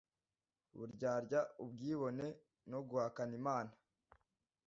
buryarya ubwibone no guhakana Imana